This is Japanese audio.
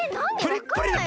プリップリ！